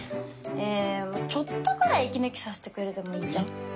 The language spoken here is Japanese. えちょっとぐらい息抜きさせてくれてもいいじゃん？